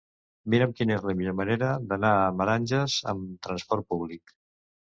Mira'm quina és la millor manera d'anar a Meranges amb trasport públic.